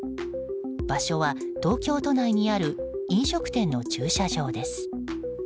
場所は、東京都内にある飲食店の駐車場です。